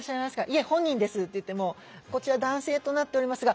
「いえ本人です」って言っても「こちら男性となっておりますが」